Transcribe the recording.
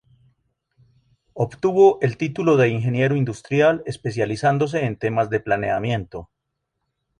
Obtuvo el título de ingeniero industrial, especializándose en temas de planeamiento.